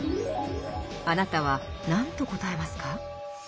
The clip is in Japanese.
あなたは何と答えますか？